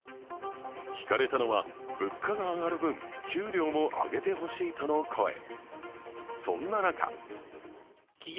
聞かれたのは物価が上がる分給料も上げてほしいとの声。